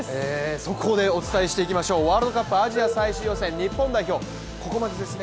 速報でお伝えしていきましょうワールドカップアジア最終予選日本代表、ここまでですね